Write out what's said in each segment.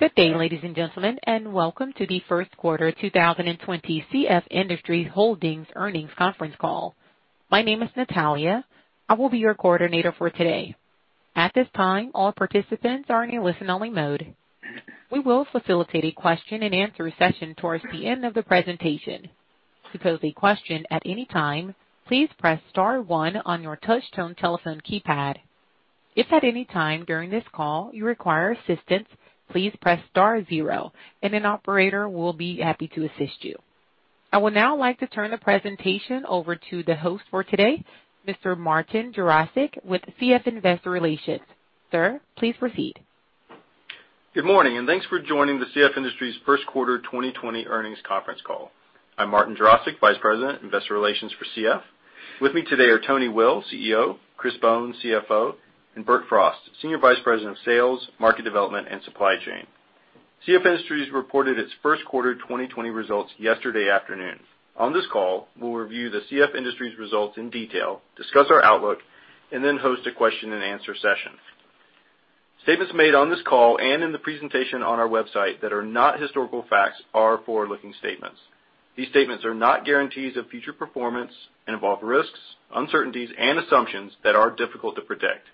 Good day, ladies and gentlemen, and welcome to the Q1 2020 CF Industries Holdings earnings conference call. My name is Natalia. I will be your coordinator for today. At this time, all participants are in a listen-only mode. We will facilitate a question-and-answer session towards the end of the presentation. To pose a question at any time, please press star one on your touch-tone telephone keypad. If at any time during this call you require assistance, please press star zero and an operator will be happy to assist you. I would now like to turn the presentation over to the host for today, Mr. Martin Jarosick, with CF Investor Relations. Sir, please proceed. Good morning. Thanks for joining the CF Industries Q1 2020 earnings conference call. I'm Martin Jarosick, Vice President, Investor Relations for CF. With me today are Tony Will, CEO, Chris Bohn, CFO, and Bert Frost, Senior Vice President of Sales, Market Development, and Supply Chain. CF Industries reported its Q1 2020 results yesterday afternoon. On this call, we'll review the CF Industries results in detail, discuss our outlook, and then host a question-and-answer session. Statements made on this call and in the presentation on our website that are not historical facts are forward-looking statements. These statements are not guarantees of future performance and involve risks, uncertainties, and assumptions that are difficult to predict.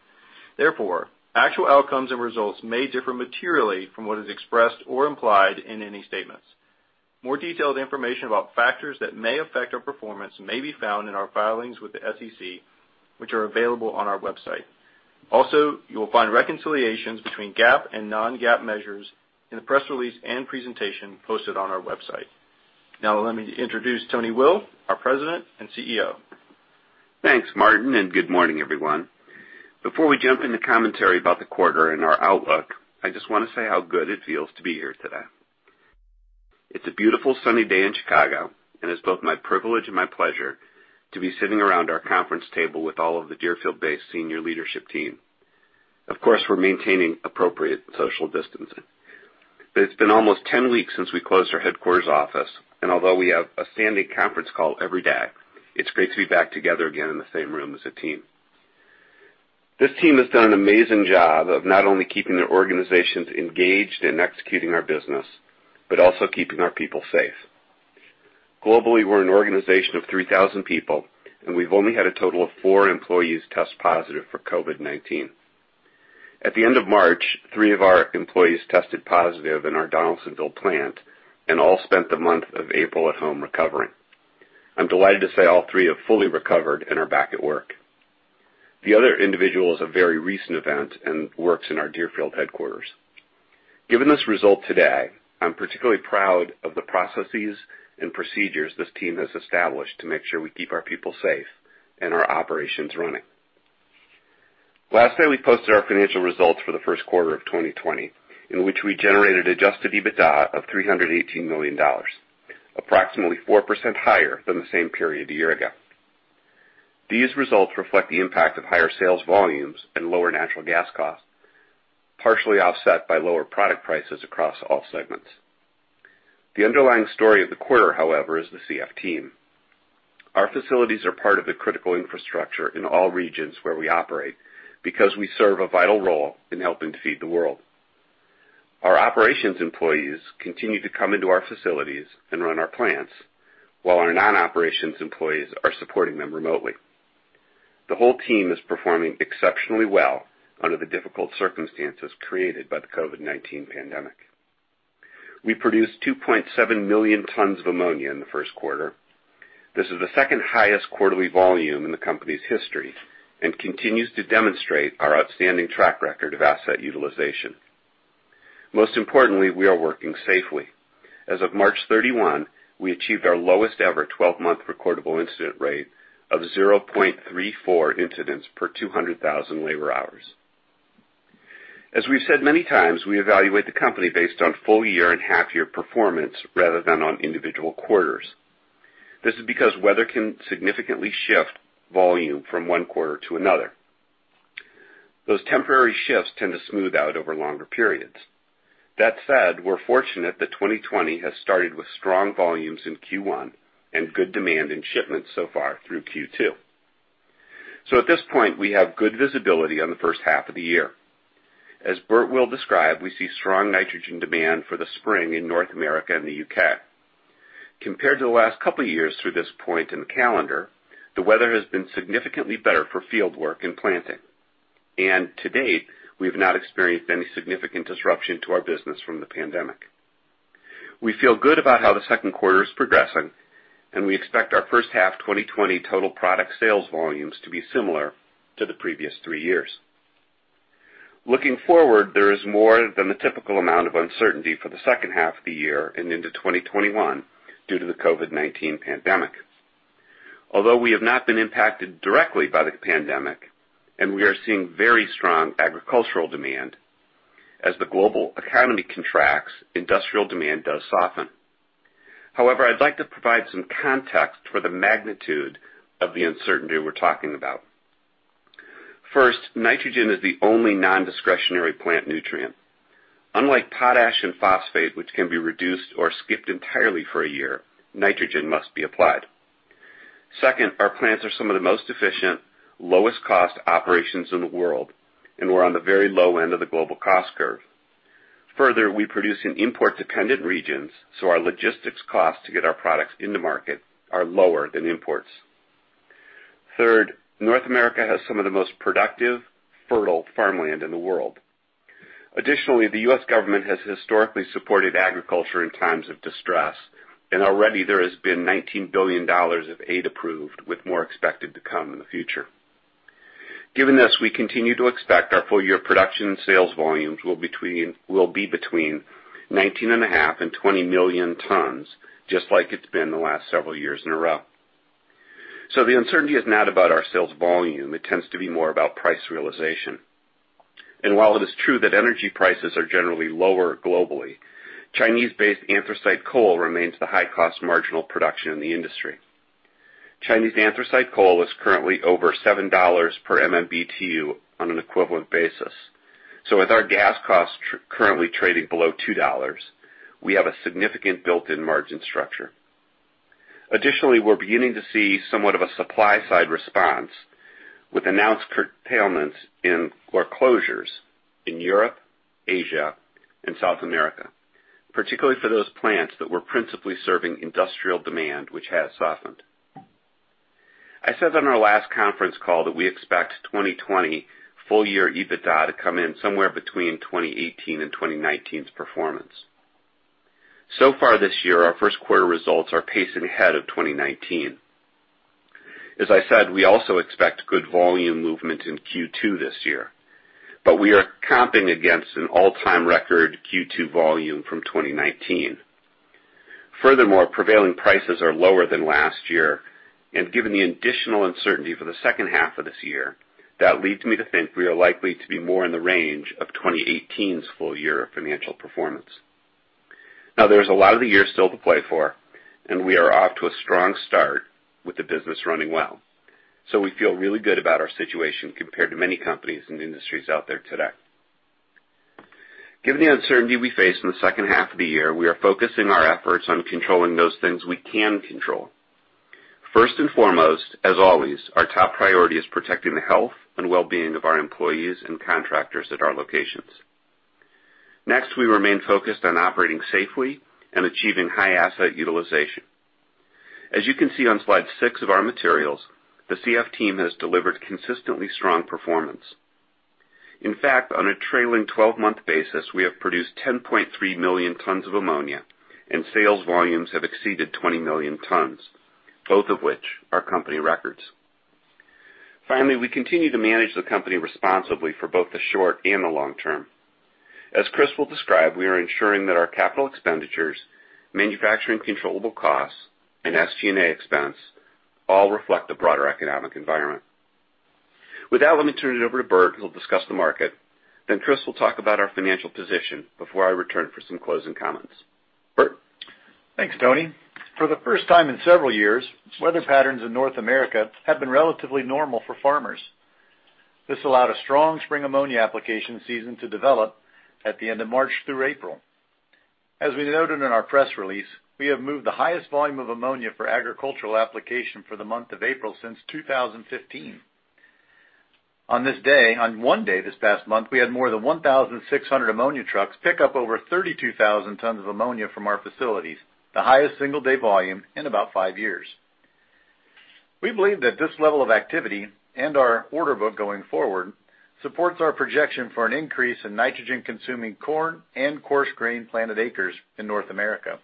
Therefore, actual outcomes and results may differ materially from what is expressed or implied in any statements. More detailed information about factors that may affect our performance may be found in our filings with the SEC, which are available on our website. You will find reconciliations between GAAP and non-GAAP measures in the press release and presentation posted on our website. Let me introduce Tony Will, our President and CEO. Thanks, Martin. Good morning, everyone. Before we jump into commentary about the quarter and our outlook, I just want to say how good it feels to be here today. It's a beautiful, sunny day in Chicago. It's both my privilege and my pleasure to be sitting around our conference table with all of the Deerfield-based senior leadership team. Of course, we're maintaining appropriate social distancing. It's been almost 10 weeks since we closed our headquarters office. Although we have a standing conference call every day, it's great to be back together again in the same room as a team. This team has done an amazing job of not only keeping the organizations engaged in executing our business, but also keeping our people safe. Globally, we're an organization of 3,000 people. We've only had a total of four employees test positive for COVID-19. At the end of March, three of our employees tested positive in our Donaldsonville plant, and all spent the month of April at home recovering. I'm delighted to say all three have fully recovered and are back at work. The other individual is a very recent event and works in our Deerfield headquarters. Given this result today, I'm particularly proud of the processes and procedures this team has established to make sure we keep our people safe and our operations running. Last night, we posted our financial results for the Q1 of 2020, in which we generated adjusted EBITDA of $318 million, approximately 4% higher than the same period a year ago. These results reflect the impact of higher sales volumes and lower natural gas costs, partially offset by lower product prices across all segments. The underlying story of the quarter, however, is the CF team. Our facilities are part of the critical infrastructure in all regions where we operate because we serve a vital role in helping to feed the world. Our operations employees continue to come into our facilities and run our plants, while our non-operations employees are supporting them remotely. The whole team is performing exceptionally well under the difficult circumstances created by the COVID-19 pandemic. We produced 2.7 million tons of ammonia in the Q1. This is the second highest quarterly volume in the company's history and continues to demonstrate our outstanding track record of asset utilization. Most importantly, we are working safely. As of March 31, we achieved our lowest-ever 12-month recordable incident rate of 0.34 incidents per 200,000 labor hours. As we've said many times, we evaluate the company based on full year and half year performance rather than on individual quarters. This is because weather can significantly shift volume from one quarter to another. Those temporary shifts tend to smooth out over longer periods. That said, we're fortunate that 2020 has started with strong volumes in Q1 and good demand in shipments so far through Q2. At this point, we have good visibility on the H1 of the year. As Bert will describe, we see strong nitrogen demand for the spring in North America and the U.K. Compared to the last couple years through this point in the calendar, the weather has been significantly better for field work and planting. To-date, we've not experienced any significant disruption to our business from the pandemic. We feel good about how the Q2 is progressing, and we expect our H1 2020 total product sales volumes to be similar to the previous three years. Looking forward, there is more than the typical amount of uncertainty for the H2 of the year and into 2021 due to the COVID-19 pandemic. Although we have not been impacted directly by the pandemic, and we are seeing very strong agricultural demand, as the global economy contracts, industrial demand does soften. However, I'd like to provide some context for the magnitude of the uncertainty we're talking about. First, nitrogen is the only non-discretionary plant nutrient. Unlike potash and phosphate, which can be reduced or skipped entirely for a year, nitrogen must be applied. Second, our plants are some of the most efficient, lowest cost operations in the world, and we're on the very low end of the global cost curve. Further, we produce in import-dependent regions, so our logistics costs to get our products into market are lower than imports. Third, North America has some of the most productive, fertile farmland in the world. Additionally, the U.S. government has historically supported agriculture in times of distress, and already there has been $19 billion of aid approved, with more expected to come in the future. Given this, we continue to expect our full year production and sales volumes will be between 19.5 and 20 million tons, just like it's been the last several years in a row. The uncertainty is not about our sales volume. It tends to be more about price realization. While it is true that energy prices are generally lower globally, Chinese-based anthracite coal remains the high cost marginal production in the industry. Chinese anthracite coal is currently over $7 per MMBTU on an equivalent basis. With our gas costs currently trading below $2, we have a significant built-in margin structure. Additionally, we're beginning to see somewhat of a supply side response with announced curtailments or closures in Europe, Asia, and South America, particularly for those plants that were principally serving industrial demand, which has softened. I said on our last conference call that we expect 2020 full year EBITDA to come in somewhere between 2018 and 2019's performance. So far this year, our Q1 results are pacing ahead of 2019. As I said, we also expect good volume movement in Q2 this year, but we are comping against an all-time record Q2 volume from 2019. Furthermore, prevailing prices are lower than last year, and given the additional uncertainty for the H2 of this year, that leads me to think we are likely to be more in the range of 2018's full year financial performance. There's a lot of the year still to play for. We are off to a strong start with the business running well. We feel really good about our situation compared to many companies and industries out there today. Given the uncertainty we face in the H2 of the year, we are focusing our efforts on controlling those things we can control. First and foremost, as always, our top priority is protecting the health and well-being of our employees and contractors at our locations. Next, we remain focused on operating safely and achieving high asset utilization. As you can see on slide six of our materials, the CF team has delivered consistently strong performance. In fact, on a trailing 12-month basis, we have produced 10.3 million tons of ammonia and sales volumes have exceeded 20 million tons, both of which are company records. Finally, we continue to manage the company responsibly for both the short and the long term. As Chris will describe, we are ensuring that our capital expenditures, manufacturing controllable costs, and SG&A expense all reflect the broader economic environment. With that, let me turn it over to Bert, who'll discuss the market. Chris will talk about our financial position before I return for some closing comments. Bert? Thanks, Tony. For the first time in several years, weather patterns in North America have been relatively normal for farmers. This allowed a strong spring ammonia application season to develop at the end of March through April. As we noted in our press release, we have moved the highest volume of ammonia for agricultural application for the month of April since 2015. On this day, on one day this past month, we had more than 1,600 ammonia trucks pick up over 32,000 tons of ammonia from our facilities, the highest single day volume in about five years. We believe that this level of activity and our order book going forward supports our projection for an increase in nitrogen consuming corn and coarse grain planted acres in North America.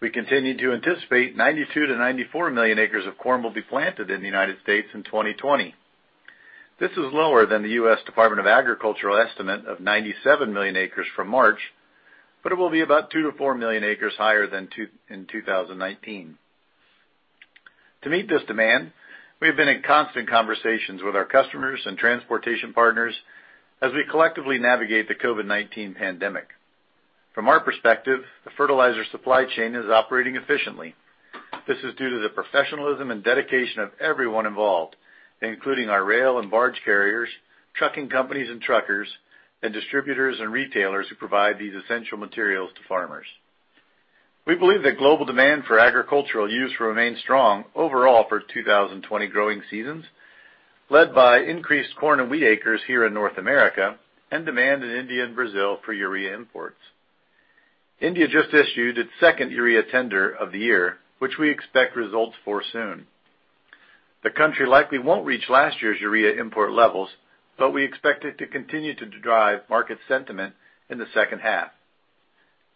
We continue to anticipate 92 million-94 million acres of corn will be planted in the United States in 2020. This is lower than the U.S. Department of Agriculture estimate of 97 million acres from March, but it will be about 2 million-4 million acres higher than in 2019. To meet this demand, we have been in constant conversations with our customers and transportation partners as we collectively navigate the COVID-19 pandemic. From our perspective, the fertilizer supply chain is operating efficiently. This is due to the professionalism and dedication of everyone involved, including our rail and barge carriers, trucking companies and truckers, and distributors and retailers who provide these essential materials to farmers. We believe that global demand for agricultural use will remain strong overall for 2020 growing seasons, led by increased corn and wheat acres here in North America and demand in India and Brazil for urea imports. India just issued its second urea tender of the year, which we expect results for soon. The country likely won't reach last year's urea import levels, but we expect it to continue to drive market sentiment in the H2.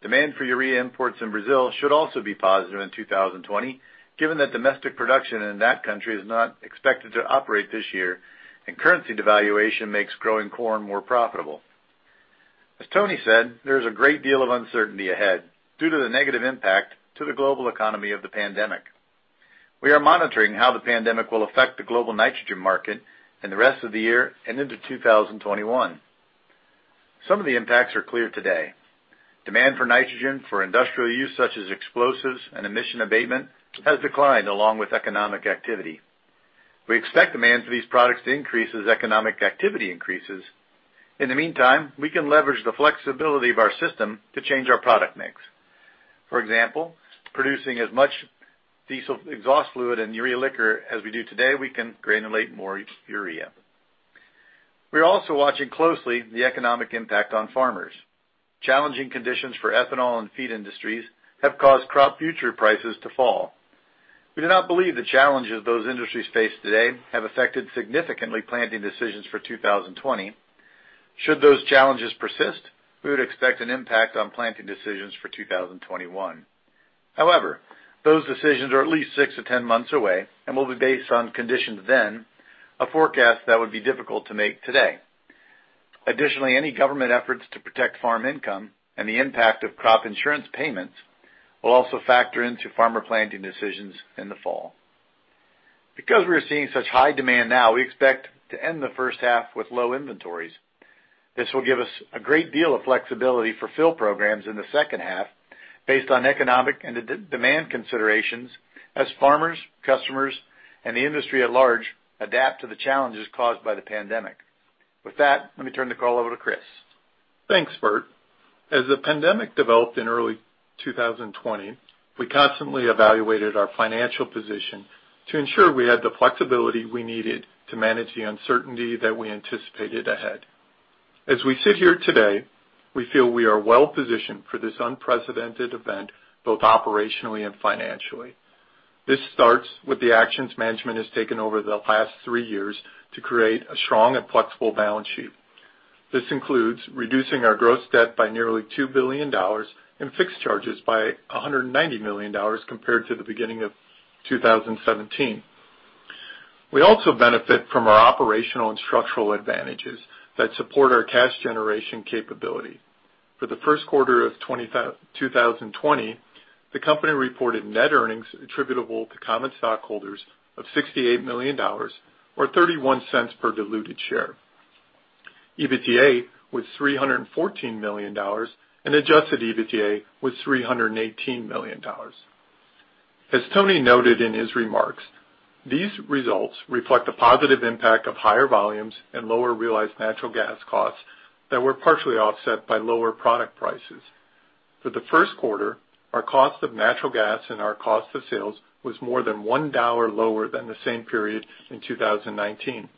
Demand for urea imports in Brazil should also be positive in 2020, given that domestic production in that country is not expected to operate this year and currency devaluation makes growing corn more profitable. As Tony said, there is a great deal of uncertainty ahead due to the negative impact to the global economy of the pandemic. We are monitoring how the pandemic will affect the global nitrogen market in the rest of the year and into 2021. Some of the impacts are clear today. Demand for nitrogen for industrial use, such as explosives and emission abatement, has declined along with economic activity. We expect demand for these products to increase as economic activity increases. In the meantime, we can leverage the flexibility of our system to change our product mix. For example, producing as much diesel exhaust fluid and urea liquor as we do today, we can granulate more urea. We are also watching closely the economic impact on farmers. Challenging conditions for ethanol and feed industries have caused crop future prices to fall. We do not believe the challenges those industries face today have affected significantly planting decisions for 2020. Should those challenges persist, we would expect an impact on planting decisions for 2021. However, those decisions are at least six-10 months away and will be based on conditions then, a forecast that would be difficult to make today. Additionally, any government efforts to protect farm income and the impact of crop insurance payments will also factor into farmer planting decisions in the fall. Because we are seeing such high demand now, we expect to end the H1 with low inventories. This will give us a great deal of flexibility for fill programs in the H2 based on economic and demand considerations as farmers, customers, and the industry at large adapt to the challenges caused by the pandemic. With that, let me turn the call over to Chris. Thanks, Bert. As the pandemic developed in early 2020, we constantly evaluated our financial position to ensure we had the flexibility we needed to manage the uncertainty that we anticipated ahead. As we sit here today, we feel we are well-positioned for this unprecedented event, both operationally and financially. This starts with the actions management has taken over the last three years to create a strong and flexible balance sheet. This includes reducing our gross debt by nearly $2 billion and fixed charges by $190 million compared to the beginning of 2017. We also benefit from our operational and structural advantages that support our cash generation capability. For the Q1 of 2020, the company reported net earnings attributable to common stockholders of $68 million or $0.31 per diluted share. EBITDA was $314 million, and adjusted EBITDA was $318 million. As Tony noted in his remarks, these results reflect the positive impact of higher volumes and lower realized natural gas costs that were partially offset by lower product prices. For the Q1, our cost of natural gas and our cost of sales was more than $1 lower than the same period in 2019.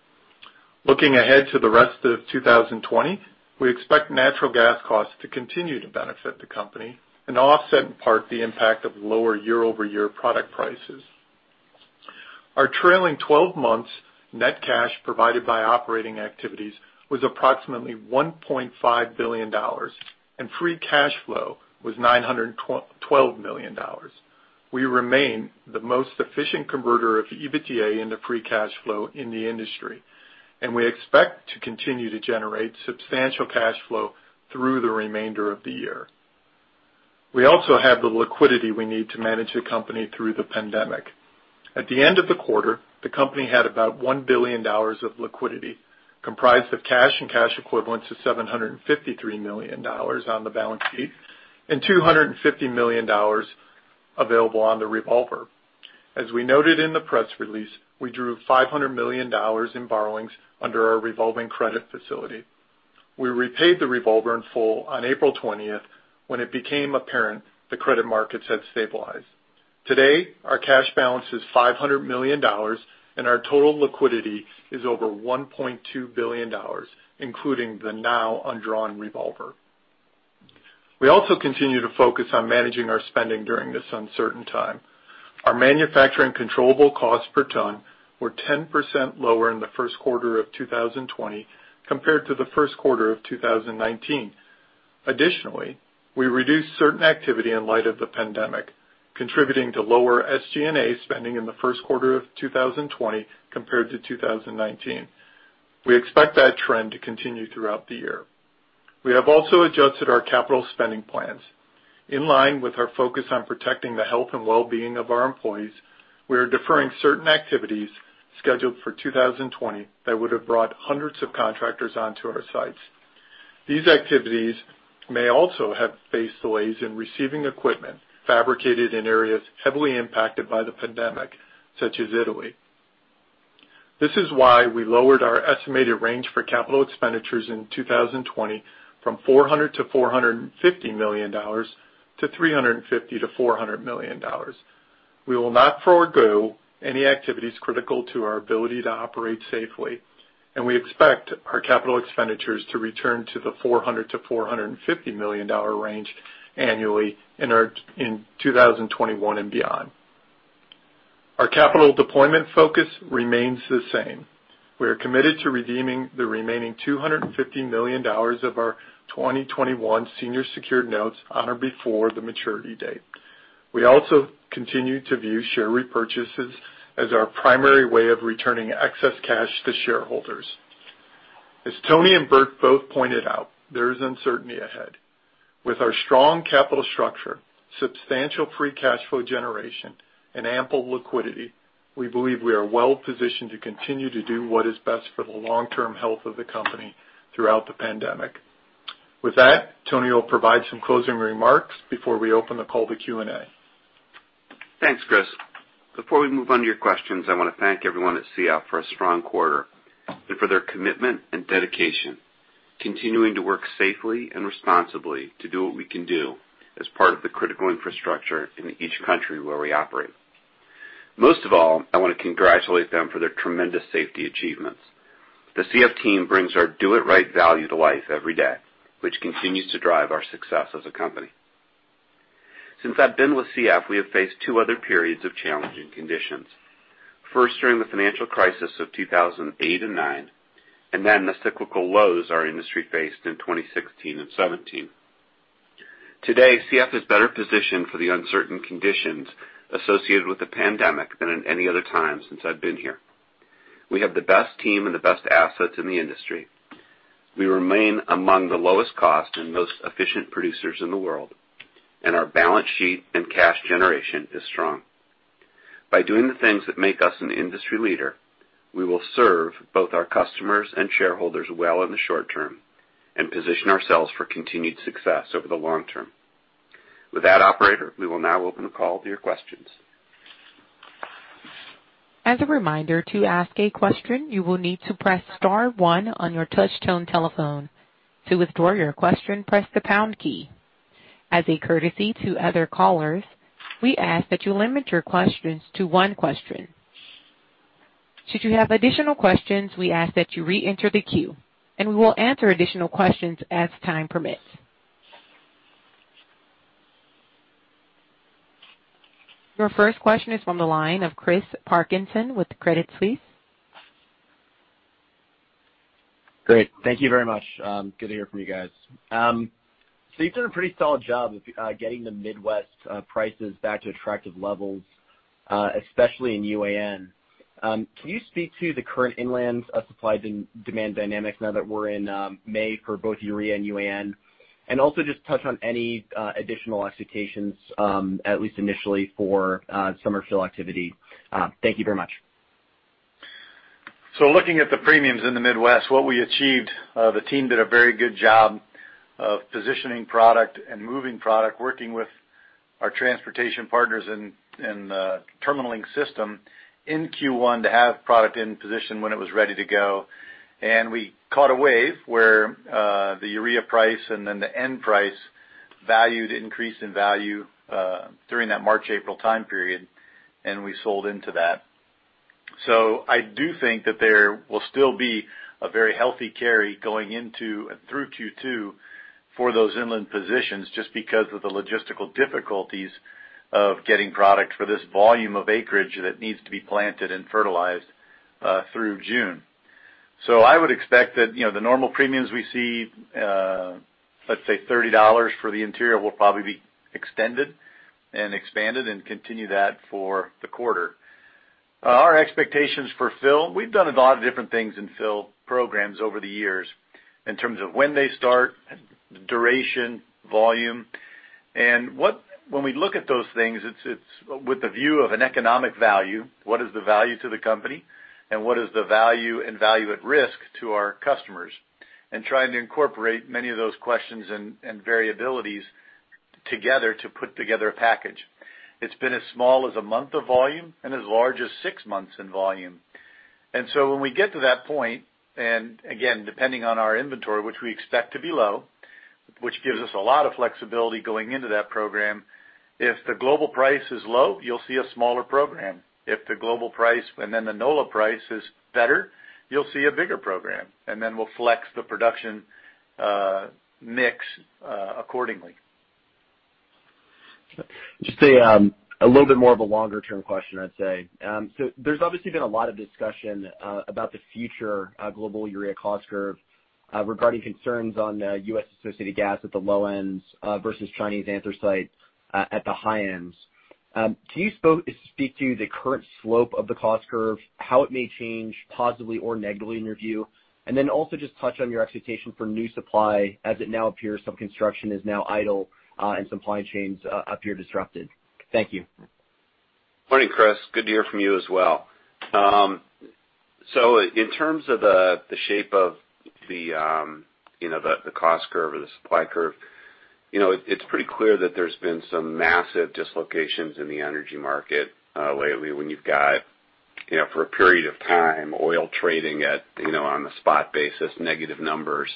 Looking ahead to the rest of 2020, we expect natural gas costs to continue to benefit the company and offset in part the impact of lower year-over-year product prices. Our trailing 12 months net cash provided by operating activities was approximately $1.5 billion, and free cash flow was $912 million. We remain the most efficient converter of EBITDA into free cash flow in the industry, and we expect to continue to generate substantial cash flow through the remainder of the year. We also have the liquidity we need to manage the company through the pandemic. At the end of the quarter, the company had about $1 billion of liquidity, comprised of cash and cash equivalents of $753 million on the balance sheet and $250 million available on the revolver. As we noted in the press release, we drew $500 million in borrowings under our revolving credit facility. We repaid the revolver in full on April 20th, when it became apparent the credit markets had stabilized. Today, our cash balance is $500 million, and our total liquidity is over $1.2 billion, including the now undrawn revolver. We also continue to focus on managing our spending during this uncertain time. Our manufacturing controllable costs per ton were 10% lower in the Q1 of 2020 compared to the Q1 of 2019. Additionally, we reduced certain activity in light of the pandemic, contributing to lower SG&A spending in the Q1 of 2020 compared to 2019. We expect that trend to continue throughout the year. We have also adjusted our capital spending plans. In line with our focus on protecting the health and well-being of our employees, we are deferring certain activities scheduled for 2020 that would have brought hundreds of contractors onto our sites. These activities may also have faced delays in receiving equipment fabricated in areas heavily impacted by the pandemic, such as Italy. This is why we lowered our estimated range for capital expenditures in 2020 from $400 million-$450 million to $350 million-$400 million. We will not forego any activities critical to our ability to operate safely, and we expect our capital expenditures to return to the $400 million-$450 million range annually in 2021 and beyond. Our capital deployment focus remains the same. We are committed to redeeming the remaining $250 million of our 2021 senior secured notes on or before the maturity date. We also continue to view share repurchases as our primary way of returning excess cash to shareholders. As Tony and Bert both pointed out, there is uncertainty ahead. With our strong capital structure, substantial free cash flow generation, and ample liquidity, we believe we are well positioned to continue to do what is best for the long-term health of the company throughout the pandemic. With that, Tony Will provide some closing remarks before we open the call to Q&A. Thanks, Chris. Before we move on to your questions, I want to thank everyone at CF for a strong quarter and for their commitment and dedication, continuing to work safely and responsibly to do what we can do as part of the critical infrastructure in each country where we operate. Most of all, I want to congratulate them for their tremendous safety achievements. The CF team brings our "do it right" value to life every day, which continues to drive our success as a company. Since I've been with CF, we have faced two other periods of challenging conditions. First, during the financial crisis of 2008 and 2009, and then the cyclical lows our industry faced in 2016 and 2017. Today, CF is better positioned for the uncertain conditions associated with the pandemic than at any other time since I've been here. We have the best team and the best assets in the industry. We remain among the lowest cost and most efficient producers in the world, and our balance sheet and cash generation is strong. By doing the things that make us an industry leader, we will serve both our customers and shareholders well in the short term and position ourselves for continued success over the long term. With that operator, we will now open the call to your questions. As a reminder, to ask a question, you will need to press star one on your touch-tone telephone. To withdraw your question, press the pound key. As a courtesy to other callers, we ask that you limit your questions to one question. Should you have additional questions, we ask that you reenter the queue, and we will answer additional questions as time permits. Your first question is from the line of Chris Parkinson with Credit Suisse. Great. Thank you very much. Good to hear from you guys. You've done a pretty solid job of getting the Midwest prices back to attractive levels, especially in UAN. Can you speak to the current inland supply and demand dynamics now that we're in May for both urea and UAN? Also just touch on any additional expectations, at least initially for summer fill activity. Thank you very much. Looking at the premiums in the Midwest, what we achieved, the team did a very good job of positioning product and moving product, working with our transportation partners in the terminal link system in Q1 to have product in position when it was ready to go. We caught a wave where the urea price and then the N price valued increased in value during that March, April time period, and we sold into that. I do think that there will still be a very healthy carry going into and through Q2 for those inland positions just because of the logistical difficulties of getting product for this volume of acreage that needs to be planted and fertilized through June. I would expect that the normal premiums we see, let's say $30 for the interior, will probably be extended and expanded and continue that for the quarter. Our expectations for fill, we've done a lot of different things in fill programs over the years in terms of when they start, duration, volume. When we look at those things, it's with the view of an economic value, what is the value to the company, and what is the value and value at risk to our customers, and trying to incorporate many of those questions and variabilities together to put together a package. It's been as small as a month of volume and as large as six months in volume. When we get to that point, and again, depending on our inventory, which we expect to be low, which gives us a lot of flexibility going into that program. If the global price is low, you'll see a smaller program. If the global price and then the NOLA price is better, you'll see a bigger program, and then we'll flex the production mix accordingly. Just a little bit more of a longer-term question, I'd say. There's obviously been a lot of discussion about the future global urea cost curve regarding concerns on U.S. associated gas at the low ends versus Chinese anthracite at the high ends. Can you speak to the current slope of the cost curve, how it may change positively or negatively in your view? Also just touch on your expectation for new supply as it now appears some construction is now idle and supply chains appear disrupted. Thank you. Morning, Chris. Good to hear from you as well. In terms of the shape of the cost curve or the supply curve, it's pretty clear that there's been some massive dislocations in the energy market lately when you've got, for a period of time, oil trading at on a spot basis, negative numbers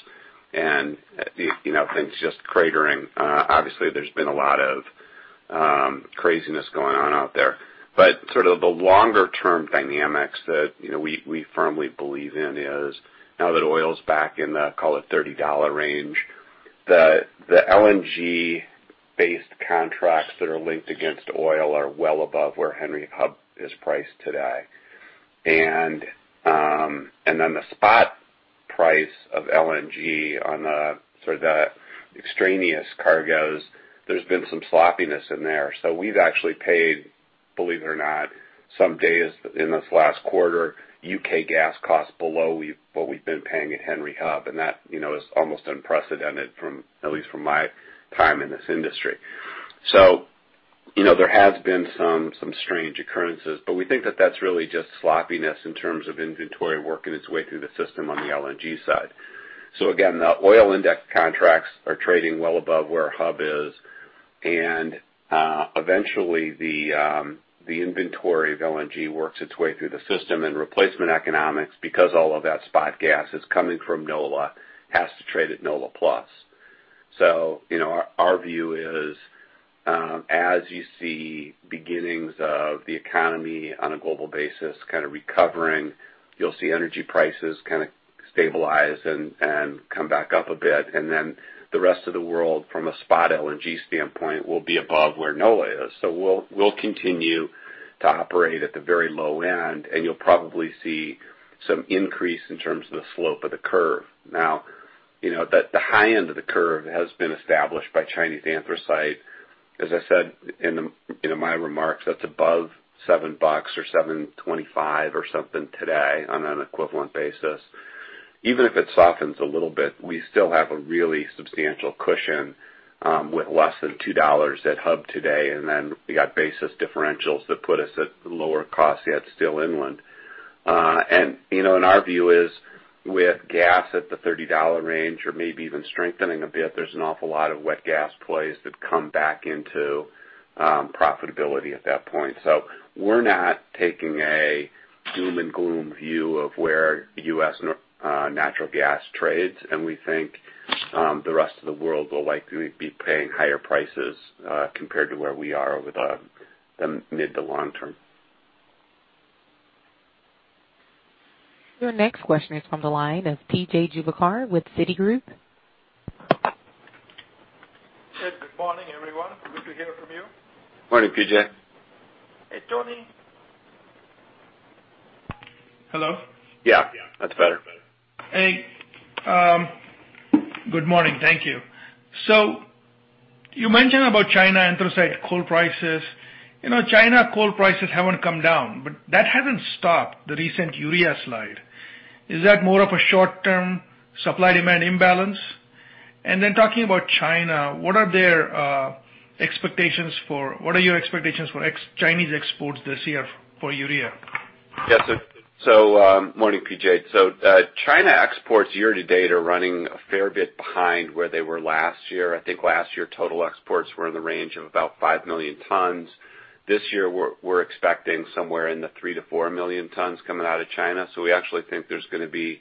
and things just cratering. Obviously, there's been a lot of craziness going on out there. Sort of the longer-term dynamics that we firmly believe in is now that oil's back in the, call it $30 range, the LNG-based contracts that are linked against oil are well above where Henry Hub is priced today. The spot price of LNG on the extraneous cargos, there's been some sloppiness in there. We've actually paid, believe it or not, some days in this last quarter, U.K. gas costs below what we've been paying at Henry Hub, and that is almost unprecedented at least from my time in this industry. There has been some strange occurrences, but we think that that's really just sloppiness in terms of inventory working its way through the system on the LNG side. Again, the oil index contracts are trading well above where hub is, and eventually, the inventory of LNG works its way through the system and replacement economics, because all of that spot gas is coming from NOLA, has to trade at NOLA plus. Our view is, as you see beginnings of the economy on a global basis kind of recovering, you'll see energy prices kind of stabilize and come back up a bit. The rest of the world, from a spot LNG standpoint, will be above where NOLA is. We'll continue to operate at the very low end, and you'll probably see some increase in terms of the slope of the curve. The high end of the curve has been established by Chinese anthracite. As I said in my remarks, that's above $7 or $7.25 or something today on an equivalent basis. Even if it softens a little bit, we still have a really substantial cushion with less than $2 at hub today, and then we got basis differentials that put us at lower cost yet still inland. Our view is with gas at the $30 range or maybe even strengthening a bit, there's an awful lot of wet gas plays that come back into profitability at that point. We're not taking a doom and gloom view of where U.S. natural gas trades, and we think the rest of the world will likely be paying higher prices compared to where we are over the mid-to-long term. Your next question is from the line of PJ Juvekar with Citigroup. Good morning, everyone. Good to hear from you. Morning, PJ. Hey, Tony. Hello? Yeah, that's better. Hey. Good morning. Thank you. You mentioned about China anthracite coal prices. China coal prices haven't come down, that hasn't stopped the recent urea slide. Is that more of a short-term supply-demand imbalance? Talking about China, what are your expectations for Chinese exports this year for urea? Yes, sir. Morning, PJ. China exports year to date are running a fair bit behind where they were last year. I think last year total exports were in the range of about 5 million tons. This year, we're expecting somewhere in the 3 million-4 million tons coming out of China. We actually think there's going to be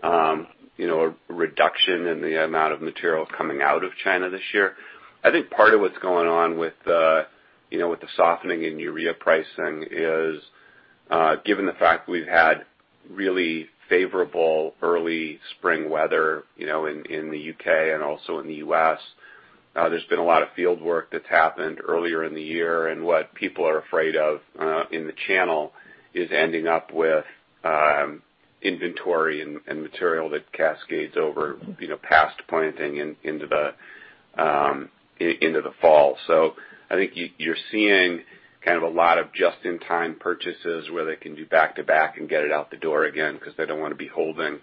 a reduction in the amount of material coming out of China this year. I think part of what's going on with the softening in urea pricing is given the fact we've had really favorable early spring weather in the U.K. and also in the U.S. There's been a lot of field work that's happened earlier in the year, and what people are afraid of in the channel is ending up with inventory and material that cascades over past planting into the fall. I think you're seeing kind of a lot of just-in-time purchases where they can do back to back and get it out the door again because they don't want to be holding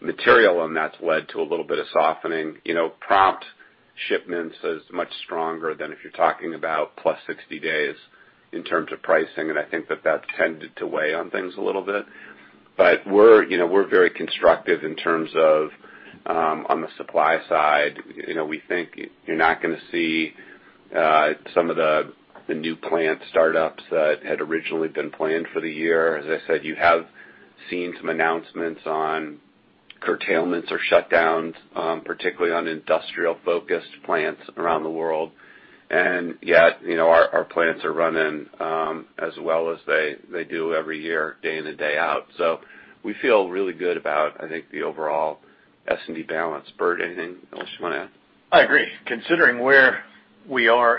material, and that's led to a little bit of softening. Prompt shipments is much stronger than if you're talking about +60 days in terms of pricing, and I think that that tended to weigh on things a little bit. We're very constructive in terms of on the supply side. We think you're not going to see some of the new plant startups that had originally been planned for the year. As I said, you have seen some announcements on curtailments or shutdowns, particularly on industrial-focused plants around the world. Yet our plants are running as well as they do every year, day in and day out. We feel really good about, I think, the overall S&D balance. Bert, anything else you want to add? I agree. Considering where we are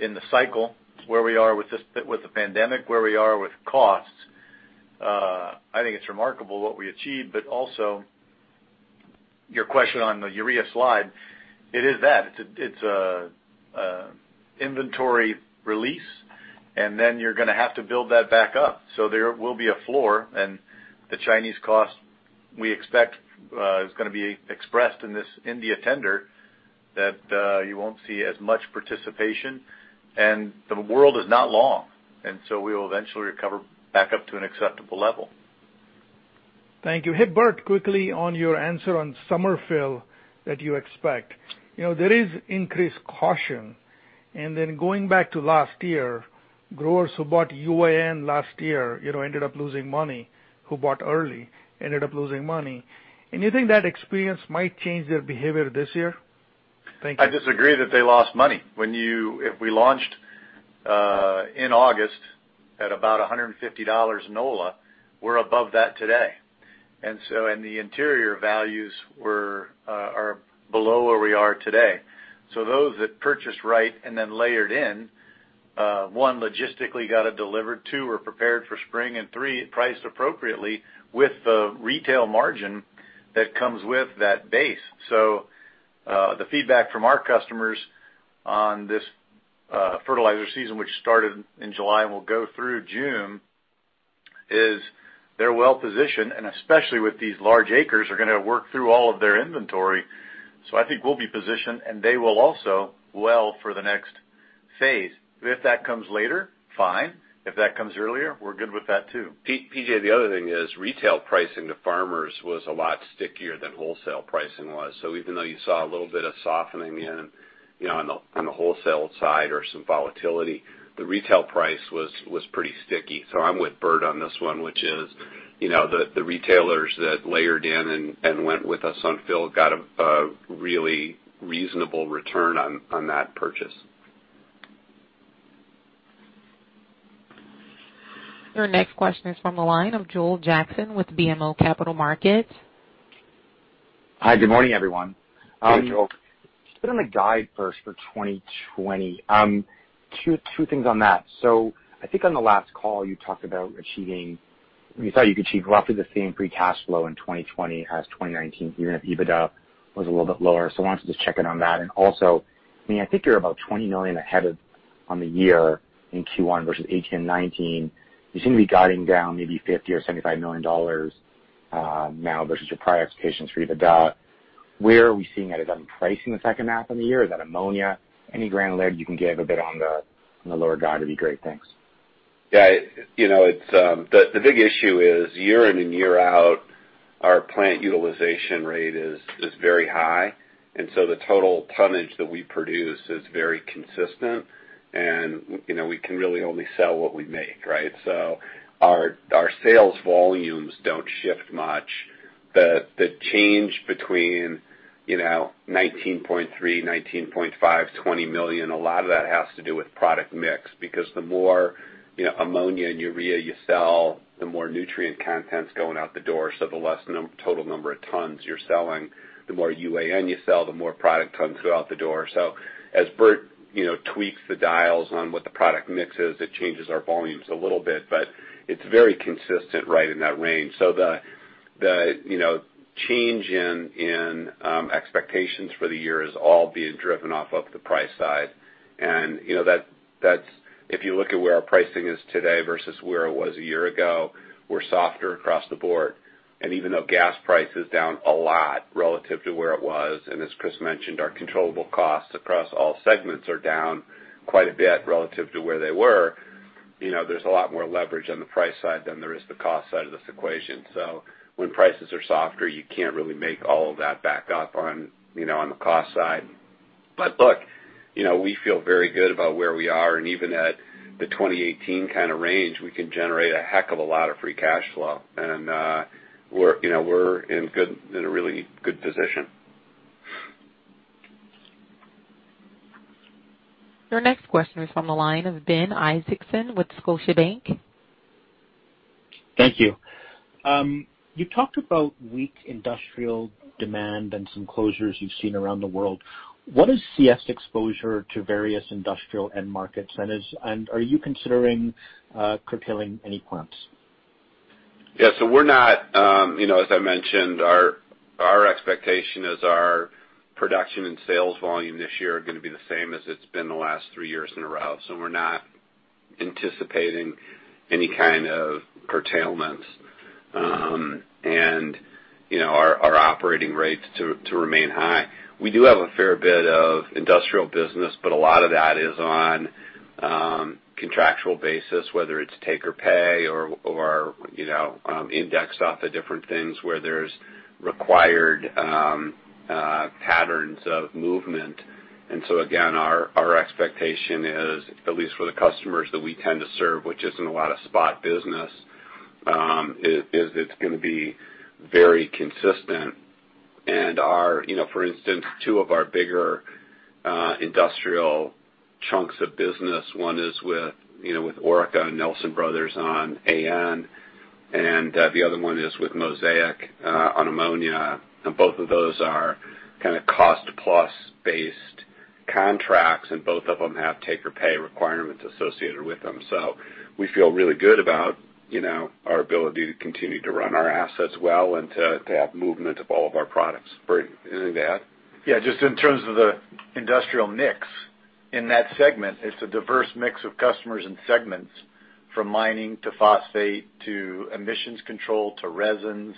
in the cycle, where we are with the pandemic, where we are with costs, I think it's remarkable what we achieved. Also, your question on the urea slide, it is that. It's inventory release, then you're going to have to build that back up. There will be a floor, the Chinese cost, we expect is going to be expressed in this India tender that you won't see as much participation, the world is not long. We will eventually recover back up to an acceptable level. Thank you. Hey, Bert, quickly on your answer on summer fill that you expect. There is increased caution, going back to last year, growers who bought UAN last year ended up losing money. Who bought early, ended up losing money. You think that experience might change their behavior this year? Thank you. I disagree that they lost money. If we launched in August at about $150 NOLA, we're above that today. The interior values are below where we are today. Those that purchased right and then layered in, one, logistically got it delivered, two, were prepared for spring, and three, priced appropriately with the retail margin that comes with that base. The feedback from our customers on this fertilizer season, which started in July and will go through June is they're well-positioned, and especially with these large acres, are going to work through all of their inventory. I think we'll be positioned, and they will also well for the next phase. If that comes later, fine. If that comes earlier, we're good with that too. PJ, the other thing is retail pricing to farmers was a lot stickier than wholesale pricing was. Even though you saw a little bit of softening on the wholesale side or some volatility, the retail price was pretty sticky. I'm with Bert on this one, which is the retailers that layered in and went with us on fill got a really reasonable return on that purchase. Your next question is from the line of Joel Jackson with BMO Capital Markets. Hi, good morning, everyone. Hey, Joel. On the guide first for 2020. Two things on that. I think on the last call you talked about you thought you could achieve roughly the same free cash flow in 2020 as 2019, even if EBITDA was a little bit lower. I wanted to just check in on that. Also, I think you're about $20 million ahead on the year in Q1 versus 2018 and 2019. You seem to be guiding down maybe $50 million or $75 million now versus your prior expectations for EBITDA. Where are we seeing that? Is that in pricing the H2 of the year? Is that ammonia? Any granularity you can give a bit on the lower guide would be great. Thanks. Yeah. The big issue is year in and year out, our plant utilization rate is very high, and so the total tonnage that we produce is very consistent, and we can really only sell what we make, right? Our sales volumes don't shift much. The change between 19.3, 19.5, 20 million, a lot of that has to do with product mix because the more ammonia and urea you sell, the more nutrient content's going out the door, so the less the total number of tons you're selling. The more UAN you sell, the more product comes out the door. As Bert tweaks the dials on what the product mix is, it changes our volumes a little bit, but it's very consistent right in that range. The change in expectations for the year is all being driven off of the price side. If you look at where our pricing is today versus where it was a year ago, we're softer across the board. Even though gas price is down a lot relative to where it was, and as Chris mentioned, our controllable costs across all segments are down quite a bit relative to where they were. There's a lot more leverage on the price side than there is the cost side of this equation. When prices are softer, you can't really make all of that back up on the cost side. Look, we feel very good about where we are, and even at the 2018 range, we can generate a heck of a lot of free cash flow. We're in a really good position. Your next question is from the line of Ben Isaacson with Scotiabank. Thank you. You talked about weak industrial demand and some closures you've seen around the world. What is CF's exposure to various industrial end markets, and are you considering curtailing any plants? Yeah. As I mentioned, our expectation is our production and sales volume this year are going to be the same as it's been the last three years in a row. We're not anticipating any kind of curtailments. Our operating rates to remain high. We do have a fair bit of industrial business, but a lot of that is on contractual basis, whether it's take or pay or indexed off of different things where there's required patterns of movement. Again, our expectation is at least for the customers that we tend to serve, which isn't a lot of spot business is it's going to be very consistent. For instance, two of our bigger industrial chunks of business, one is with Orica and Nelson Brothers on AN, and the other one is with Mosaic on ammonia. Both of those are cost plus based contracts, and both of them have take or pay requirements associated with them. We feel really good about our ability to continue to run our assets well and to have movement of all of our products. Bert, anything to add? Yeah, just in terms of the industrial mix in that segment, it's a diverse mix of customers and segments from mining to phosphate to emissions control to resins,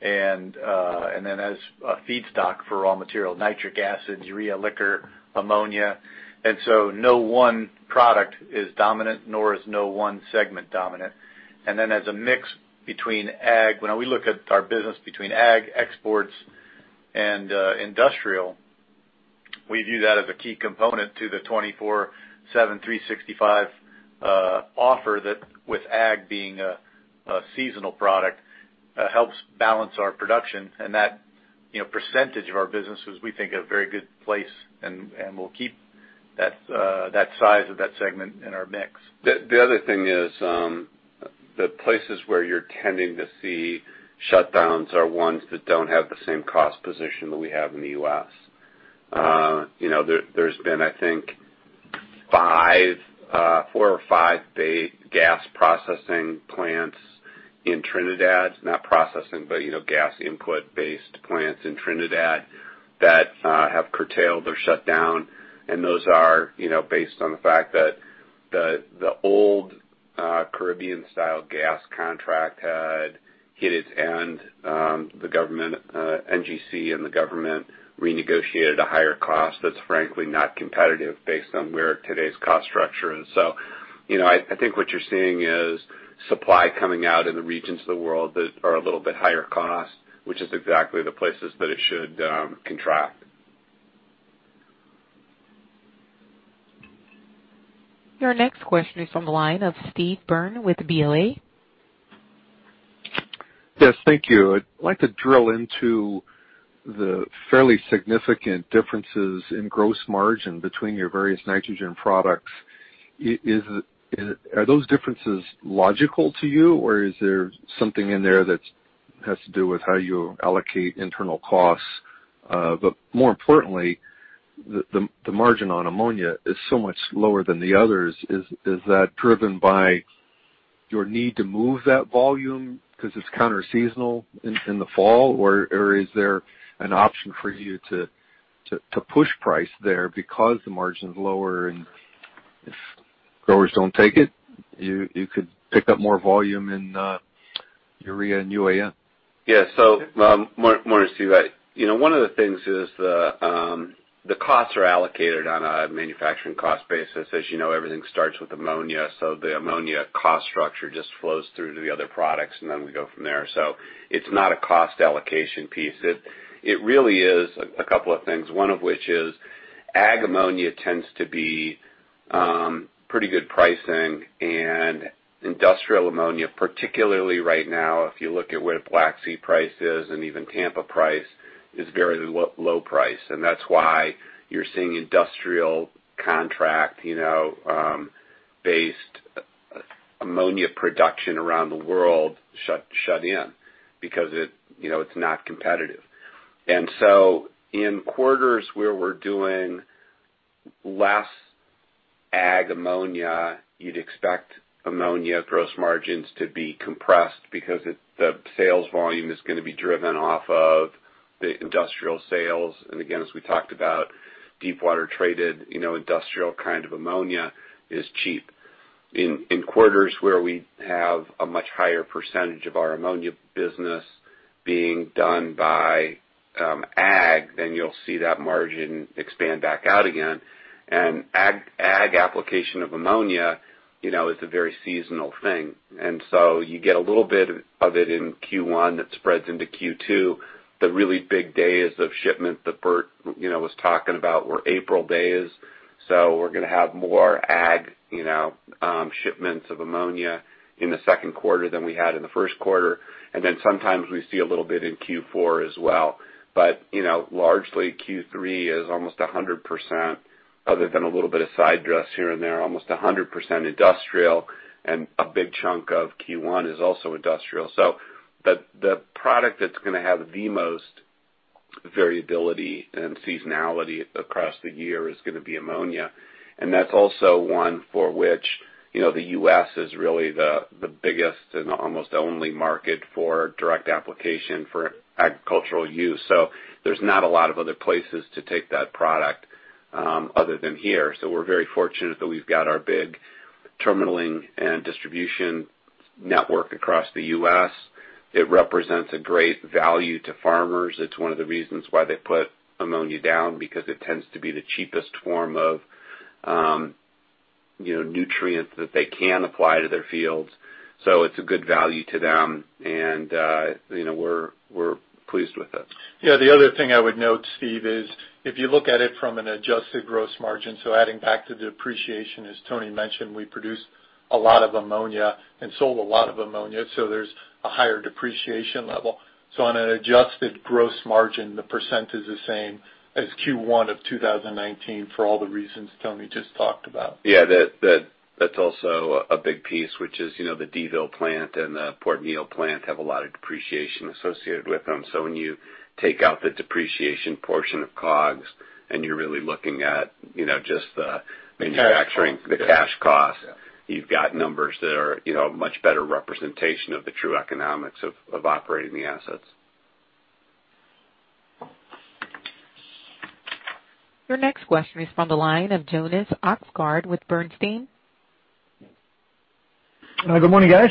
and then as a feedstock for raw material, nitric acid, urea liquor, ammonia. No one product is dominant, nor is no one segment dominant. As a mix between ag, when we look at our business between ag, exports, and industrial, we view that as a key component to the 24/7/365 offer that with ag being a seasonal product helps balance our production. That percentage of our business is, we think, a very good place, and we'll keep that size of that segment in our mix. The other thing is the places where you're tending to see shutdowns are ones that don't have the same cost position that we have in the U.S. There's been, I think, four or five gas processing plants in Trinidad, not processing, but gas input-based plants in Trinidad that have curtailed or shut down. Those are based on the fact that the old Caribbean style gas contract had hit its end. The government, NGC and the government renegotiated a higher cost that's frankly not competitive based on where today's cost structure is. I think what you're seeing is supply coming out in the regions of the world that are a little bit higher cost, which is exactly the places that it should contract. Your next question is on the line of Steve Byrne with BofA. Yes, thank you. I'd like to drill into the fairly significant differences in gross margin between your various nitrogen products. Are those differences logical to you, or is there something in there that has to do with how you allocate internal costs? More importantly, the margin on ammonia is so much lower than the others. Is that driven by your need to move that volume because it's counter seasonal in the fall? Is there an option for you to push price there because the margin's lower and if growers don't take it, you could pick up more volume in urea and UAN? Yeah. Morning, Steve. One of the things is the costs are allocated on a manufacturing cost basis. As you know, everything starts with ammonia. The ammonia cost structure just flows through to the other products, and then we go from there. It's not a cost allocation piece. It really is a couple of things, one of which is ag ammonia tends to be pretty good pricing and industrial ammonia, particularly right now, if you look at where Black Sea price is and even Tampa price is very low price. That's why you're seeing industrial contract-based ammonia production around the world shut in because it's not competitive. In quarters where we're doing less ag ammonia, you'd expect ammonia gross margins to be compressed because the sales volume is going to be driven off of the industrial sales. Again, as we talked about deep water traded industrial kind of ammonia is cheap. In quarters where we have a much higher percentage of our ammonia business being done by ag, then you'll see that margin expand back out again. Ag application of ammonia is a very seasonal thing. You get a little bit of it in Q1 that spreads into Q2. The really big days of shipment that Bert was talking about were April days. We're going to have more ag shipments of ammonia in the Q2 than we had in the Q1. Sometimes we see a little bit in Q4 as well. Largely Q3 is almost 100%, other than a little bit of side dress here and there, almost 100% industrial. A big chunk of Q1 is also industrial. The product that's going to have the most variability and seasonality across the year is going to be ammonia. That's also one for which the U.S. is really the biggest and almost only market for direct application for agricultural use. There's not a lot of other places to take that product other than here. We're very fortunate that we've got our big terminalling and distribution network across the U.S. It represents a great value to farmers. It's one of the reasons why they put ammonia down, because it tends to be the cheapest form of nutrients that they can apply to their fields. It's a good value to them. We're pleased with it. Yeah. The other thing I would note, Steve, is if you look at it from an adjusted gross margin, adding back to depreciation, as Tony mentioned, we produced a lot of ammonia and sold a lot of ammonia, so there's a higher depreciation level. On an adjusted gross margin, the percentage is the same as Q1 of 2019 for all the reasons Tony just talked about. Yeah. That's also a big piece, which is the Donaldsonville plant and the Port Neal plant have a lot of depreciation associated with them. When you take out the depreciation portion of COGS and you're really looking at just the manufacturing. The cash cost. The cash cost. You've got numbers that are a much better representation of the true economics of operating the assets. Your next question is from the line of Jonas Oxgaard with Bernstein. Good morning, guys.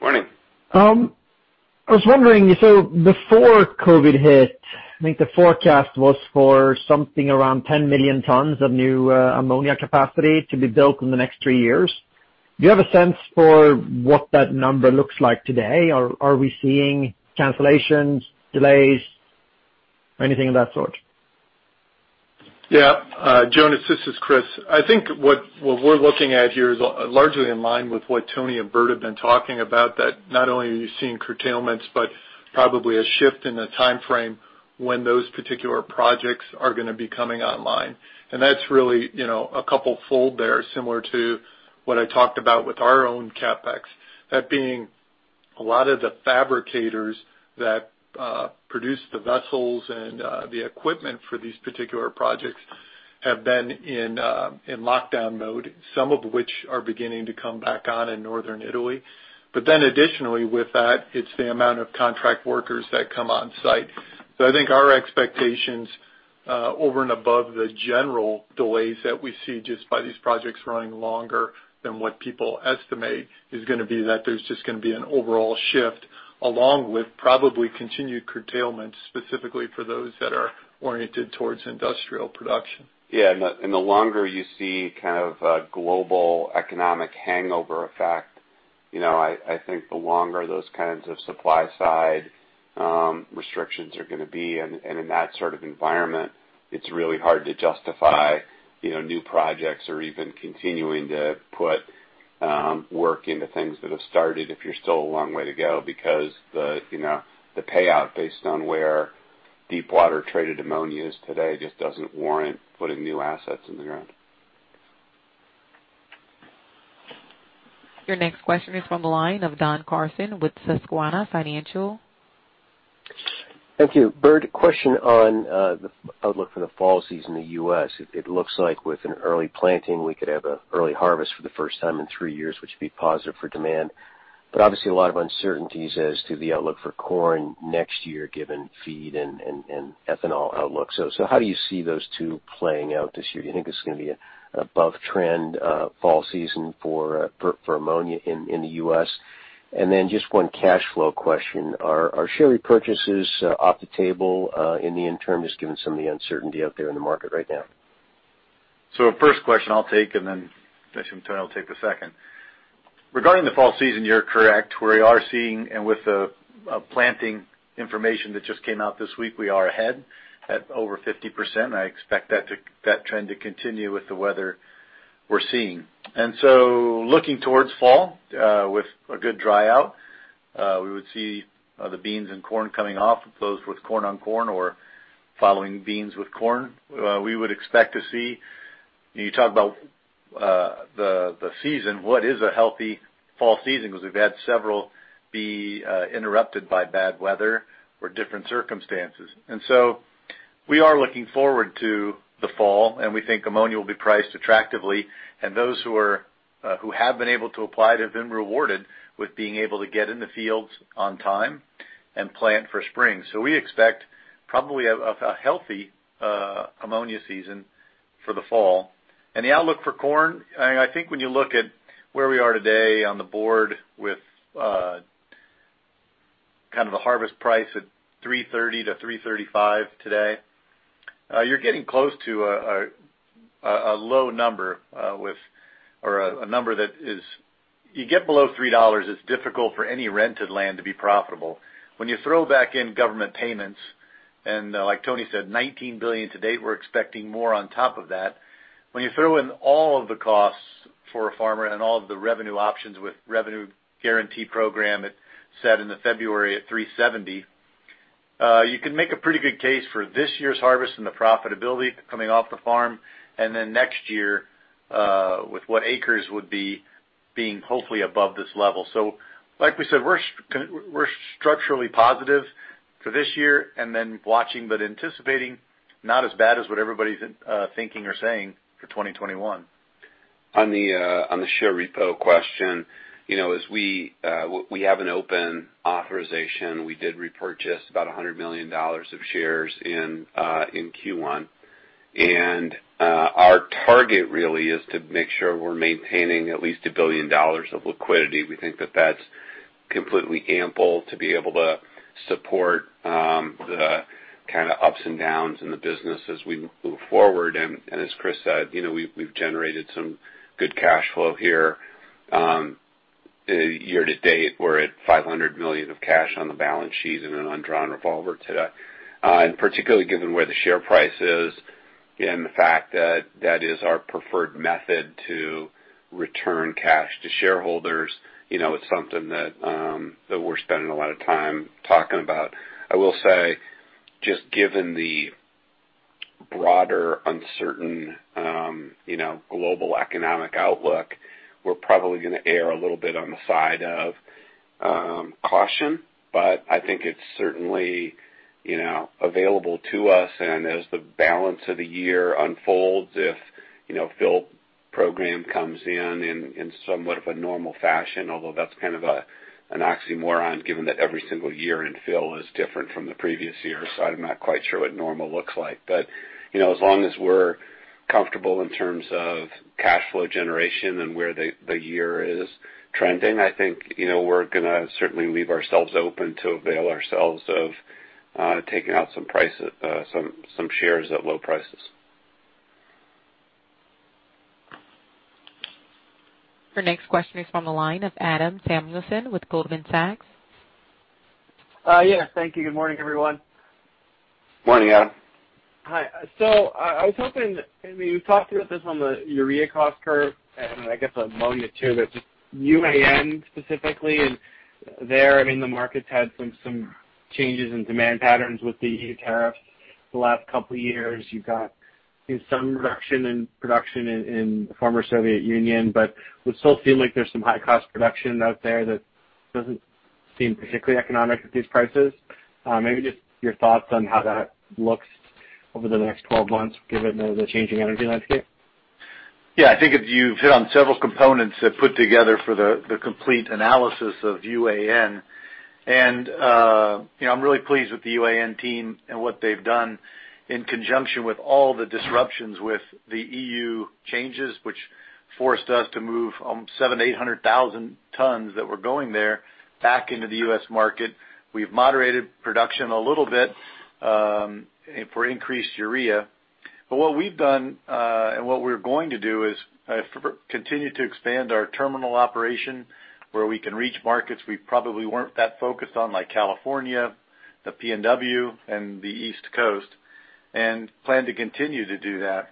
Morning. I was wondering, before COVID-19 hit, I think the forecast was for something around 10 million tons of new ammonia capacity to be built in the next three years. Do you have a sense for what that number looks like today? Are we seeing cancellations, delays or anything of that sort? Yeah. Jonas, this is Chris. I think what we're looking at here is largely in line with what Tony and Bert have been talking about. Not only are you seeing curtailments, but probably a shift in the timeframe when those particular projects are going to be coming online. That's really a couple fold there, similar to what I talked about with our own CapEx. That being a lot of the fabricators that produce the vessels and the equipment for these particular projects have been in lockdown mode, some of which are beginning to come back on in northern Italy. Additionally, with that, it's the amount of contract workers that come on-site. I think our expectations, over and above the general delays that we see just by these projects running longer than what people estimate, is going to be that there's just going to be an overall shift, along with probably continued curtailment, specifically for those that are oriented towards industrial production. Yeah. The longer you see a global economic hangover effect, I think the longer those kinds of supply side restrictions are going to be. In that sort of environment, it's really hard to justify new projects or even continuing to put work into things that have started if you're still a long way to go. Because the payout based on where deep water traded ammonia is today just doesn't warrant putting new assets in the ground. Your next question is from the line of Don Carson with Susquehanna Financial. Thank you. Bert, question on the outlook for the fall season in the U.S. It looks like with an early planting, we could have an early harvest for the first time in three years, which would be positive for demand. Obviously a lot of uncertainties as to the outlook for corn next year, given feed and ethanol outlook. How do you see those two playing out this year? Do you think it's going to be an above trend fall season for ammonia in the U.S.? Just one cash flow question. Are share repurchases off the table in the interim, just given some of the uncertainty out there in the market right now? First question I'll take, then Tony will take the second. Regarding the fall season, you're correct. We are seeing, and with the planting information that just came out this week, we are ahead at over 50%, and I expect that trend to continue with the weather we're seeing. Looking towards fall, with a good dry-out, we would see the beans and corn coming off those with corn-on-corn or following beans with corn. We would expect to see you talk about the season, what is a healthy fall season? Because we've had several be interrupted by bad weather or different circumstances. We are looking forward to the fall, and we think ammonia will be priced attractively. Those who have been able to apply, have been rewarded with being able to get in the fields on time and plant for spring. We expect probably a healthy ammonia season for the fall. The outlook for corn, I think when you look at where we are today on the board with a harvest price at $330-$335 today, you're getting close to a low number. You get below $3, it's difficult for any rented land to be profitable. You throw back in government payments, and like Tony said, $19 billion to-date, we're expecting more on top of that. You throw in all of the costs for a farmer and all of the revenue options with Revenue Protection program that's set in the February at $370, you can make a pretty good case for this year's harvest and the profitability coming off the farm, and then next year, with what acres would be, being hopefully above this level. Like we said, we're structurally positive for this year and then watching, but anticipating not as bad as what everybody's thinking or saying for 2021. On the share repo question. We have an open authorization. We did repurchase about $100 million of shares in Q1. Our target really is to make sure we're maintaining at least $1 billion of liquidity. We think that that's completely ample to be able to support the ups and downs in the business as we move forward. As Chris said, we've generated some good cash flow here. Year-to-date, we're at $500 million of cash on the balance sheet and an undrawn revolver today. Particularly given where the share price is and the fact that that is our preferred method to return cash to shareholders, it's something that we're spending a lot of time talking about. I will say, just given the broader uncertain global economic outlook, we're probably going to err a little bit on the side of caution. I think it's certainly available to us, and as the balance of the year unfolds, if the fill program comes in in somewhat of a normal fashion, although that's kind of an oxymoron, given that every single year in fill is different from the previous year. I'm not quite sure what normal looks like. As long as we're comfortable in terms of cash flow generation and where the year is trending, I think we're going to certainly leave ourselves open to avail ourselves of taking out some shares at low prices. Your next question is from the line of Adam Samuelson with Goldman Sachs. Yeah, thank you. Good morning, everyone. Morning, Adam. Hi. I was hoping, we talked about this on the urea cost curve and I guess ammonia too, but just UAN specifically and there, the market's had some changes in demand patterns with the tariffs the last couple of years. You've got some reduction in production in the former Soviet Union, but would still seem like there's some high cost production out there that doesn't Seem particularly economic at these prices. Maybe just your thoughts on how that looks over the next 12 months, given the changing energy landscape? I think you've hit on several components that put together for the complete analysis of UAN. I'm really pleased with the UAN team and what they've done in conjunction with all the disruptions with the EU changes, which forced us to move 700,000-800,000 tons that were going there back into the U.S. market. What we've done, and what we're going to do is continue to expand our terminal operation where we can reach markets we probably weren't that focused on, like California, the PNW, and the East Coast, and plan to continue to do that.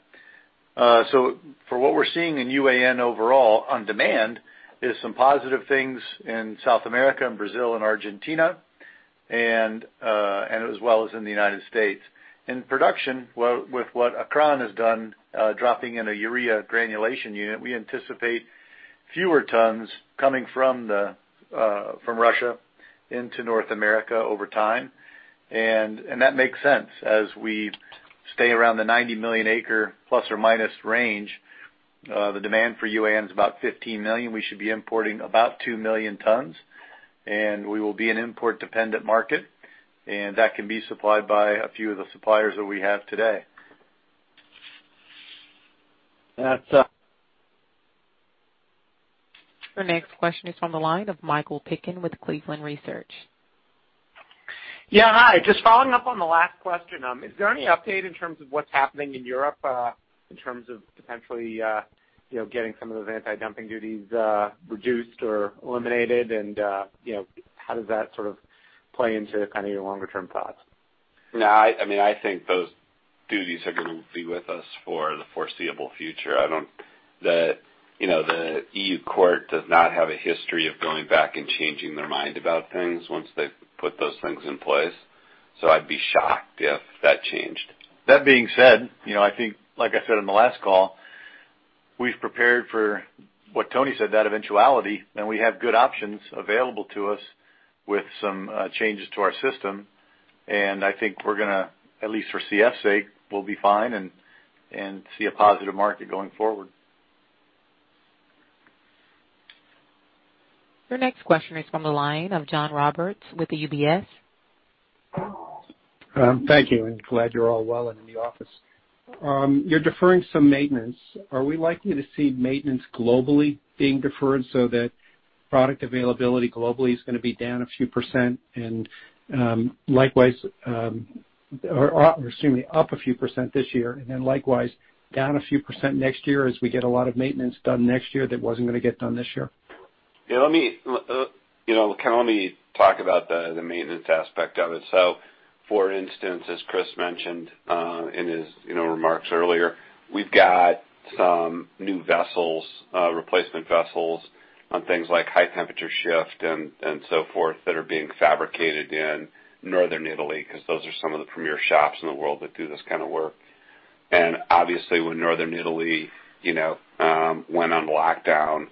For what we're seeing in UAN overall on demand is some positive things in South America and Brazil and Argentina, and as well as in the United States. In production, with what Acron has done, dropping in a urea granulation unit, we anticipate fewer tons coming from Russia into North America over time. That makes sense. As we stay around the 90 million acre ± range, the demand for UAN is about 15 million. We should be importing about 2 million tons, and we will be an import-dependent market, and that can be supplied by a few of the suppliers that we have today. That's-- Your next question is on the line of Michael Piken with Cleveland Research. Yeah, hi. Just following up on the last question. Is there any update in terms of what's happening in Europe, in terms of potentially getting some of those anti-dumping duties reduced or eliminated? How does that sort of play into kind of your longer-term thoughts? No, I think those duties are going to be with us for the foreseeable future. The EU court does not have a history of going back and changing their mind about things once they've put those things in place. I'd be shocked if that changed. That being said, I think like I said in the last call, we've prepared for what Tony said, that eventuality, and we have good options available to us with some changes to our system. I think we're going to, at least for CF's sake, we'll be fine and see a positive market going forward. Your next question is from the line of John Roberts with the UBS. Thank you. Glad you're all well and in the office. You're deferring some maintenance. Are we likely to see maintenance globally being deferred so that product availability globally is going to be down a few percent and likewise, or excuse me, up a few percent this year, and then likewise down a few percent next year as we get a lot of maintenance done next year that wasn't going to get done this year? Yeah, let me talk about the maintenance aspect of it. For instance, as Chris mentioned in his remarks earlier, we've got some new replacement vessels on things like high temperature shift and so forth that are being fabricated in Northern Italy, because those are some of the premier shops in the world that do this kind of work. Obviously with Northern Italy went on lockdown.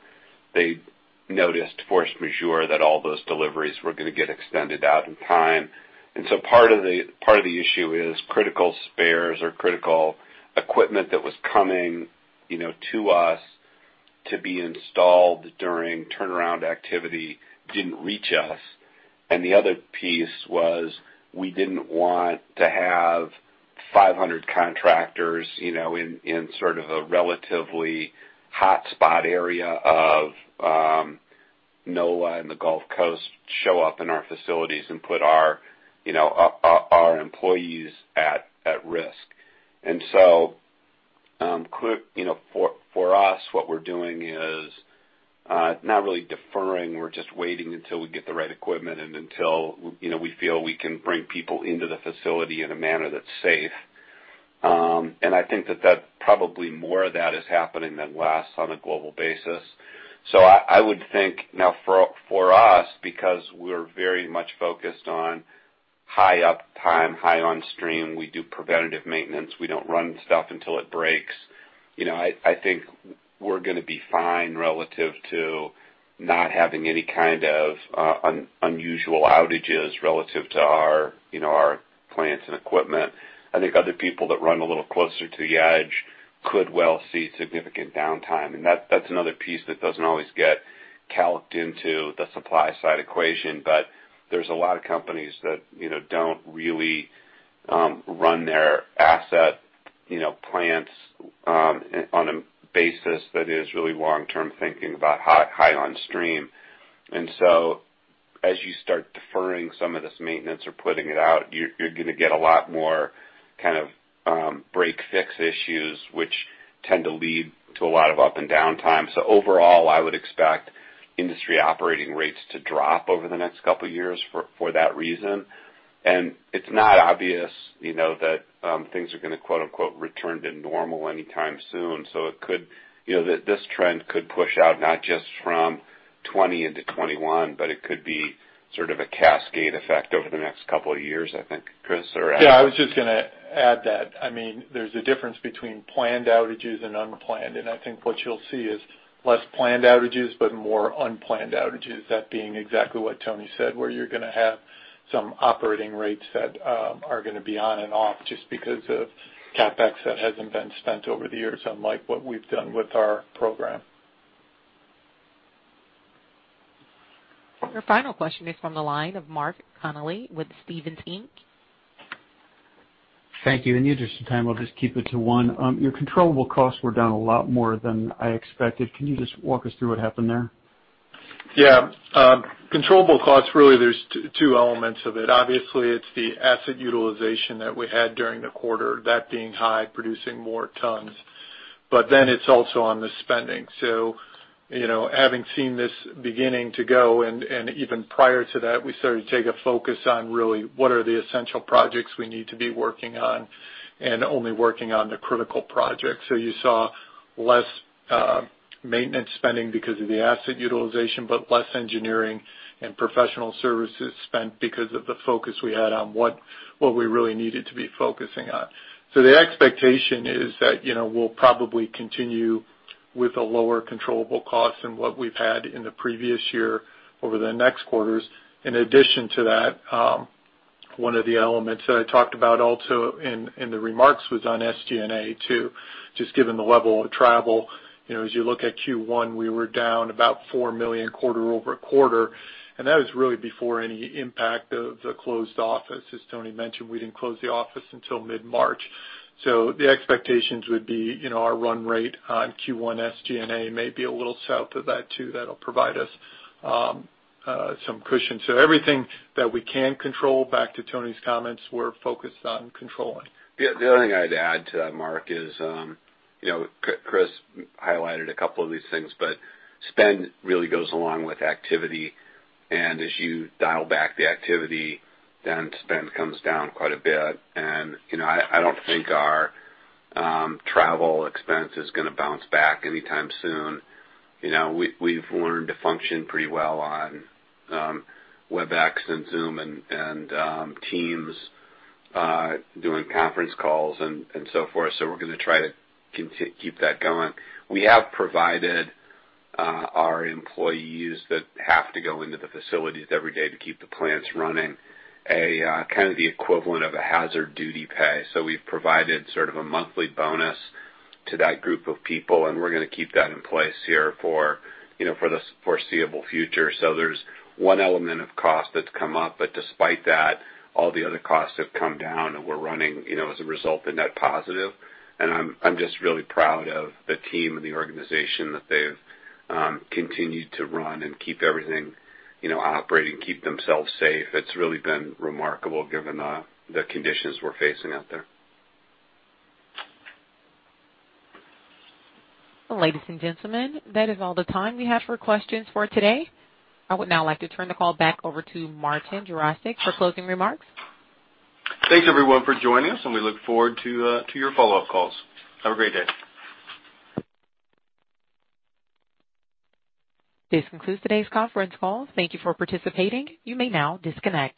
They noticed force majeure that all those deliveries were going to get extended out in time. Part of the issue is critical spares or critical equipment that was coming to us to be installed during turnaround activity didn't reach us. The other piece was we didn't want to have 500 contractors in sort of a relatively hot spot area of NOLA and the Gulf Coast show up in our facilities and put our employees at risk. For us, what we're doing is not really deferring. We're just waiting until we get the right equipment and until we feel we can bring people into the facility in a manner that's safe. I think that probably more of that is happening than less on a global basis. I would think now for us, because we're very much focused on high uptime, high on stream, we do preventative maintenance. We don't run stuff until it breaks. I think we're going to be fine relative to not having any kind of unusual outages relative to our plants and equipment. I think other people that run a little closer to the edge could well see significant downtime. That's another piece that doesn't always get calced into the supply side equation. There's a lot of companies that don't really run their asset plants on a basis that is really long term thinking about high on stream. As you start deferring some of this maintenance or putting it out, you're going to get a lot more kind of break fix issues which tend to lead to a lot of up and down time. Overall, I would expect industry operating rates to drop over the next couple of years for that reason. It's not obvious that things are going to quote unquote "return to normal" anytime soon. This trend could push out not just from 2020 into 2021, but it could be sort of a cascade effect over the next couple of years, I think. Chris? I was just going to add that. There's a difference between planned outages and unplanned. I think what you'll see is less planned outages, but more unplanned outages. That being exactly what Tony said, where you're going to have some operating rates that are going to be on and off just because of CapEx that hasn't been spent over the years, unlike what we've done with our program. Your final question is from the line of Mark Connelly with Stephens Inc. Thank you. In the interest of time, I'll just keep it to one. Your controllable costs were down a lot more than I expected. Can you just walk us through what happened there? Yeah. Controllable costs, really, there's two elements of it. It's the asset utilization that we had during the quarter, that being high, producing more tons. It's also on the spending. Having seen this beginning to go, and even prior to that, we started to take a focus on really what are the essential projects we need to be working on, and only working on the critical projects. You saw less maintenance spending because of the asset utilization, but less engineering and professional services spent because of the focus we had on what we really needed to be focusing on. The expectation is that we'll probably continue with a lower controllable cost than what we've had in the previous year over the next quarters. In addition to that, one of the elements that I talked about also in the remarks was on SG&A, too, just given the level of travel. As you look at Q1, we were down about $4 million quarter-over-quarter, that was really before any impact of the closed office. As Tony mentioned, we didn't close the office until mid-March. The expectations would be our run rate on Q1 SG&A may be a little south of that, too. That'll provide us some cushion. Everything that we can control, back to Tony's comments, we're focused on controlling. The other thing I'd add to that, Mark, is Chris highlighted a couple of these things, but spend really goes along with activity, and as you dial back the activity, then spend comes down quite a bit. I don't think our travel expense is going to bounce back anytime soon. We've learned to function pretty well on Webex and Zoom and Teams, doing conference calls and so forth. We're going to try to keep that going. We have provided our employees that have to go into the facilities every day to keep the plants running a kind of the equivalent of a hazard duty pay. We've provided sort of a monthly bonus to that group of people, and we're going to keep that in place here for the foreseeable future. There's one element of cost that's come up, but despite that, all the other costs have come down and we're running, as a result, a net positive. I'm just really proud of the team and the organization that they've continued to run and keep everything operating, keep themselves safe. It's really been remarkable given the conditions we're facing out there. Ladies and gentlemen, that is all the time we have for questions for today. I would now like to turn the call back over to Martin Jarosick for closing remarks. Thanks everyone for joining us, and we look forward to your follow-up calls. Have a great day. This concludes today's conference call. Thank you for participating. You may now disconnect.